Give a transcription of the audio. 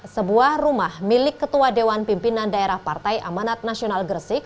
sebuah rumah milik ketua dewan pimpinan daerah partai amanat nasional gresik